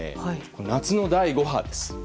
夏の第５波です。